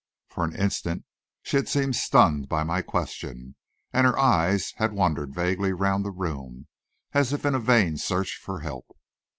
For an instant she had seemed stunned by my question, and her eyes had wandered vaguely round the room, as if in a vain search for help.